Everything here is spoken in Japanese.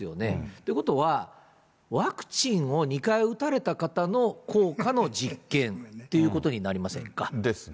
ということは、ワクチンを２回打たれた方の効果の実験っていうことになりませんですね。